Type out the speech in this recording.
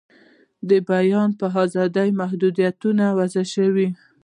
د بیان په آزادۍ محدویتونه وضع شوي.